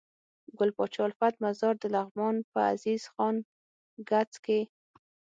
ګل پاچا الفت مزار دلغمان په عزيز خان کځ کي